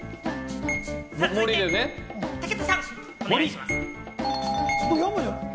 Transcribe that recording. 川じゃない！